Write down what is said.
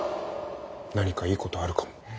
何かいいことあるかも。